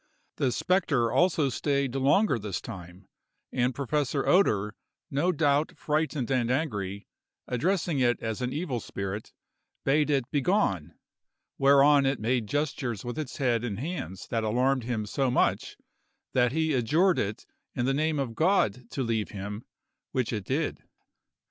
The spectre also stayed longer this time, and Professor Oeder, no doubt frightened and angry, addressing it as an evil spirit, bade it begone, whereon it made gestures with its head and hands that alarmed him so much, that he adjured it in the name of God to leave him, which it did.